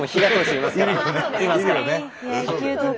いますから。